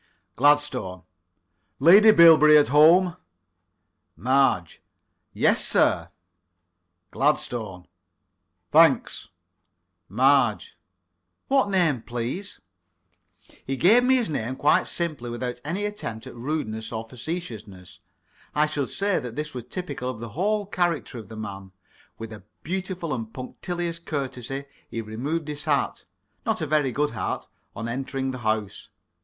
GLADSTONE: Lady Bilberry at home? MARGE: Yes, sir. GLADSTONE: Thanks. MARGE: What name, please? He gave me his name quite simply, without any attempt at rudeness or facetiousness. I should say that this was typical of the whole character of the man. With a beautiful and punctilious courtesy he removed his hat not a very good hat on entering the house.